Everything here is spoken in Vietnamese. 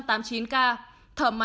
ba số bệnh nhân tử vong